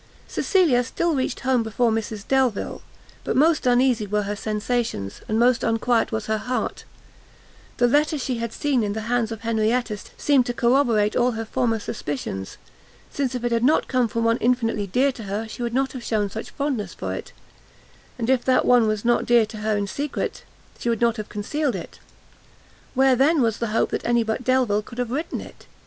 Cecilia still reached home before Mrs Delvile; but most uneasy were her sensations, and most unquiet was her heart; the letter she had seen in the hands of Henrietta seemed to corroborate all her former suspicions, since if it came not from one infinitely dear to her she would not have shewn such fondness for it, and if that one was not dear to her in secret, she would not have concealed it. Where then was the hope that any but Delvile could have written it?